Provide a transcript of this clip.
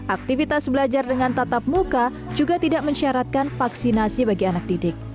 aktivitas belajar dengan tatap muka juga tidak mensyaratkan vaksinasi bagi anak didik